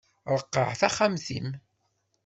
Ṛeqqeɛ taxxamt-im!